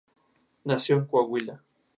Nació en Coahuila.